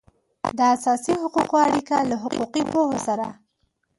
د اساسي حقوقو اړیکه له حقوقي پوهو سره